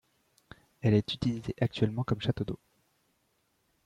Elle est utilisée actuellement comme château d'eau.